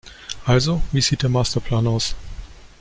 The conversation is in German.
Also, wie sieht der Masterplan aus?